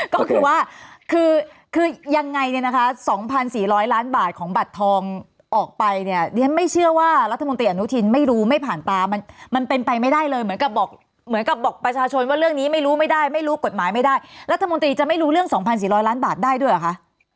ก็คือว่าคือยังไงเนี่ยนะคะ๒๔๐๐ล้านบาทของบัตรทองออกไปเนี่ยดิฉันไม่เชื่อว่ารัฐมนตรีอนุทินไม่รู้ไม่ผ่านตามันเป็นไปไม่ได้เลยเหมือนกับบอกเหมือนกับบอกประชาชนว่าเรื่องนี้ไม่รู้ไม่ได้ไม่รู้กฎหมายไม่ได้รัฐมนตรีจะไม่รู้เรื่อง๒๔๐๐ล้านบาทได้ด้วยเหรอคะ